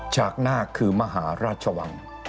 หน้าคือมหาราชวัง